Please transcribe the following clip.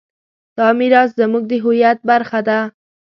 دا میراث زموږ د هویت برخه ده.